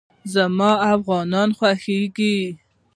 زما افغانان خوښېږي